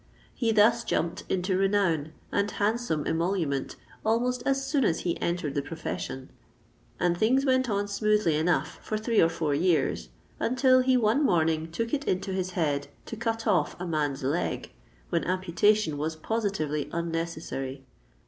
He thus jumped into renown and handsome emolument almost as soon as he entered the profession; and things went on smoothly enough for three or four years, until he one morning took it into his head to cut off a man's leg, when amputation was positively unnecessary.